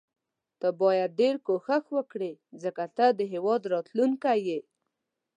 ته باید ډیر کوښښ وکړي ځکه ته د هیواد راتلوونکی یې.